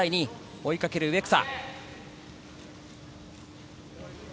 追いかける植草。